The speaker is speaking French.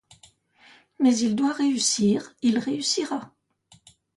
Mais il doit réussir, il réussira.